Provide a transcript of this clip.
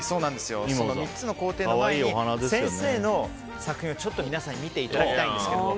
３つの工程の前に先生の作品を皆さんに見ていただきたいんですけども。